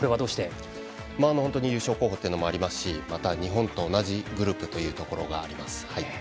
本当に優勝候補というのもありますし日本と同じグループというところもあります。